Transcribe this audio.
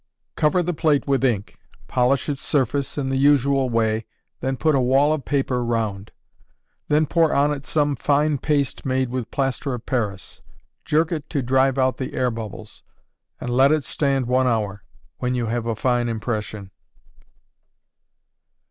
_ Cover the plate with ink, polish its surface in the usual way, then put a wall of paper round; then pour on it some fine paste made with plaster of Paris. Jerk it to drive out the air bubbles, and let it stand one hour, when you have a fine impression.